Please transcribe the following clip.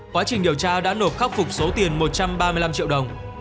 quá trình điều tra đã nộp khắc phục số tiền một trăm ba mươi năm triệu đồng